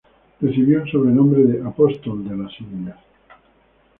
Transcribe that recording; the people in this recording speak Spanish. Recibió el sobrenombre de "Apóstol de las Indias".